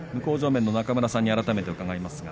中村さんに改めて伺います。